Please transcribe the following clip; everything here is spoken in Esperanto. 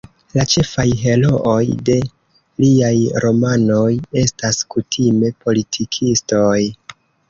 La ĉefaj herooj de liaj romanoj estas kutime politikistoj.